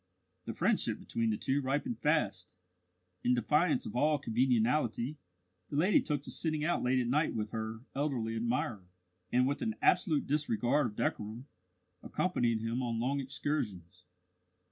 The friendship between the two ripened fast. In defiance of all conventionality, the lady took to sitting out late at night with her elderly admirer, and, with an absolute disregard of decorum, accompanied him on long excursions.